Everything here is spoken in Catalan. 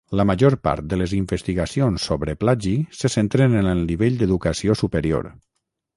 La major part de les investigacions sobre plagi se centren en el nivell d'educació superior.